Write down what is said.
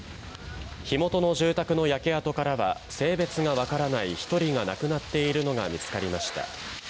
火元の住宅の焼け跡からは性別がわからない１人が亡くなっているのが見つかりました。